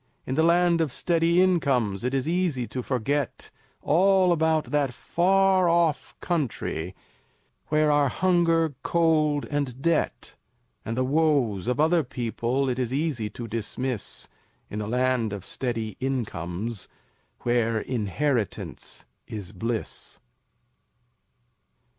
In the Land of Steady Incomes, It is easy to forget All about that far off country Where are hunger, cold, and debt; And the woes of other people It is easy to dismiss In the Land of Steady Incomes, Where inheritance is bliss.